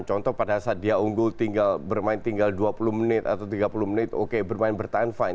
contoh pada saat dia unggul bermain tinggal dua puluh menit atau tiga puluh menit oke bermain bertahan fine